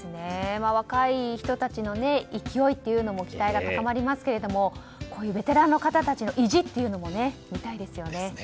若い人たちの勢いというのも期待が高まりますがこういうベテランの方たちの意地というのも見たいですね。